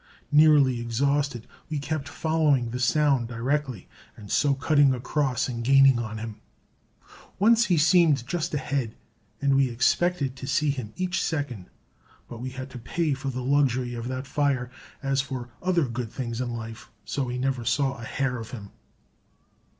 Nearly exhausted, we kept following the sound directly, and so cutting across and gaining on him. Once he seemed just ahead, and we expected to see him each second; but we had to pay for the luxury of that fire, as for other good things in life, so we never saw a hair of him.